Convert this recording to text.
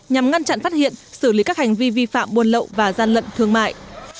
nhằm ngăn chặn phát hiện xử lý các hành vi vi phạm buôn lậu và gian lận thương mại